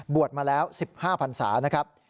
บวชมาแล้ว๑๕๐๐๐สานะครับ